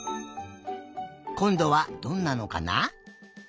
こんどはどんなのかな。